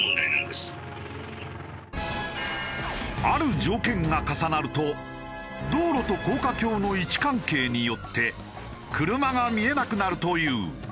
ある条件が重なると道路と高架橋の位置関係によって車が見えなくなるという。